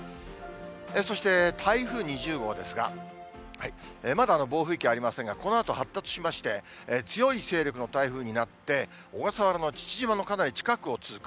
そして台風２０号ですが、まだ暴風域ありませんが、このあと発達しまして、強い勢力の台風になって、小笠原の父島のかなり近くを通過。